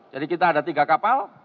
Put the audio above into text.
jadi kita ada tiga kapal